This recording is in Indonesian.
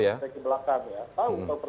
saya ke belakang ya